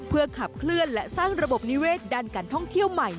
เพื่อขับเคลื่อนและสร้างระบบนิเวศดันการท่องเที่ยวใหม่